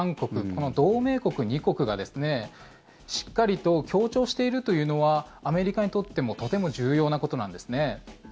この同盟国２国がですねしっかりと協調しているというのはアメリカにとってもとても重要なことなんですね。